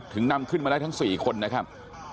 นำขึ้นมาได้ทั้ง๔คนนะครับ